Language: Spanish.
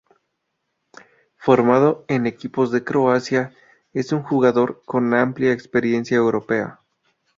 Formado en equipos de Croacia, es un jugador con amplia experiencia europea.